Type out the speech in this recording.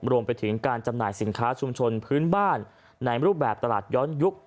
รวมไปถึงการจำหน่ายสินค้าชุมชนพื้นบ้านในรูปแบบตลาดย้อนยุค